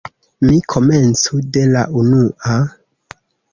Mi komencu de la unua.